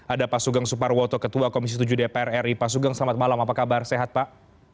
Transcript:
ada pak sugeng suparwoto ketua komisi tujuh dpr ri pak sugeng selamat malam apa kabar sehat pak